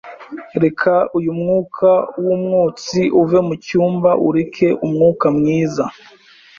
Reka uyu mwuka wumwotsi uve mucyumba ureke umwuka mwiza.